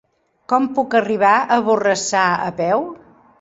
Com puc arribar a Borrassà a peu?